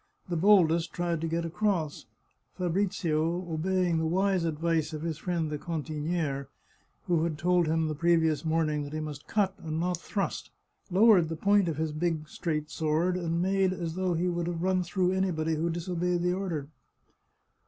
The boldest tried to get across. Fabrizio, obeying the wise advice of his friend the cantiniere, who had told him the previous morning that he must cut and not thrust, lowered the point of his big straight sword, and made as though he would have run through anybody who disobeyed the order.